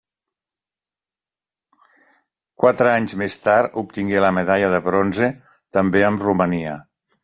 Quatre anys més tard, obtingué la medalla de bronze, també amb Romania.